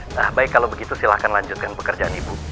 nah baik kalau begitu silahkan lanjutkan pekerjaan ibu